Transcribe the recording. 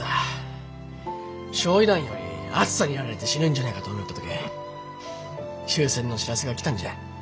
焼夷弾より暑さにやられて死ぬんじゃねえかと思よったとけえ終戦の知らせが来たんじゃ。